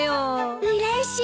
うれしい！